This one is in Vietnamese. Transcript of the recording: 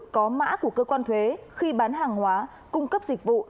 có mã của cơ quan thuế khi bán hàng hóa cung cấp dịch vụ